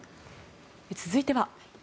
続いては。